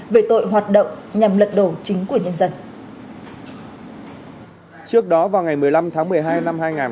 về tội hoạt động nhằm lật đổ chính của nhân dân